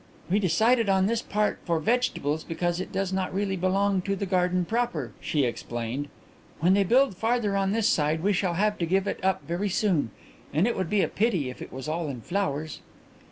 "We decided on this part for vegetables because it does not really belong to the garden proper," she explained. "When they build farther on this side we shall have to give it up very soon. And it would be a pity if it was all in flowers."